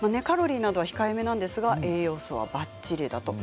カロリーなどは控えめなんですが栄養素はばっちり。